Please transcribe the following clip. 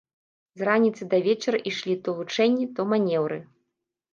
З раніцы да вечара ішлі то вучэнне, то манеўры.